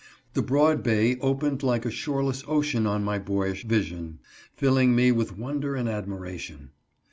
The broad bay opened like a shoreless ocean on my boyish vision, filling me with wonder and admiration.